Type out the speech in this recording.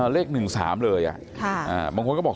เลข๑๓เลยบางคนก็บอก